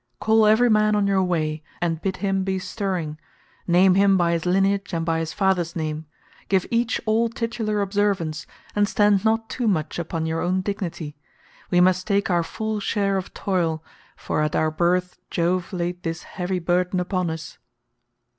Call every man on your way, and bid him be stirring; name him by his lineage and by his father's name, give each all titular observance, and stand not too much upon your own dignity; we must take our full share of toil, for at our birth Jove laid this heavy burden upon us."